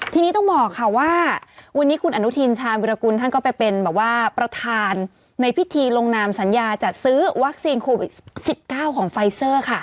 ทีนี้ต้องบอกค่ะว่าวันนี้คุณอนุทินชาญวิรากุลท่านก็ไปเป็นแบบว่าประธานในพิธีลงนามสัญญาจัดซื้อวัคซีนโควิด๑๙ของไฟเซอร์ค่ะ